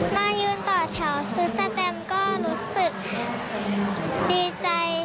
มายืนต่อแถวซื้อสแตมก็รู้สึกดีใจ